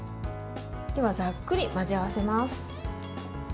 ざっくり混ぜ合わせます。